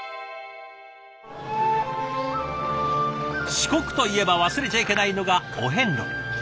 四国といえば忘れちゃいけないのがお遍路。